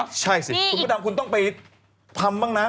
คุณพุนธรรมคุณต้องไปทำบ้างนะ